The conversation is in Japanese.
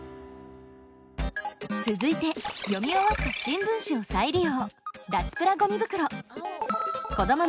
続いて読み終わった新聞紙を再利用。